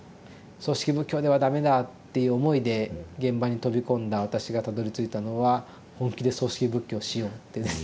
「葬式仏教では駄目だ」っていう思いで現場に飛び込んだ私がたどりついたのは「本気で葬式仏教しよう」っていうですね